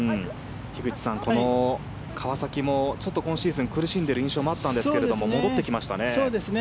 樋口さんこの川崎もちょっと今シーズン苦しんでいる印象もあったんですがそうですね。